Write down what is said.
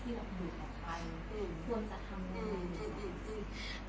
ที่อยู่กับใครควรจะทำอะไร